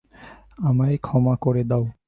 আমায় ক্ষমা করে দাও।